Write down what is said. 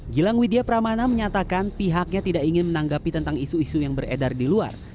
gilang widya pramana menyatakan pihaknya tidak ingin menanggapi tentang isu isu yang beredar di luar